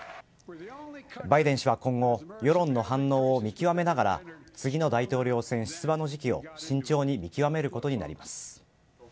バイデン氏は今後、世論の反応を見極めながら次の大統領選出馬の時期を慎重に見極めることになります。